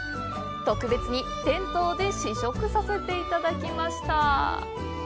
特別に店頭で試食させていただきました。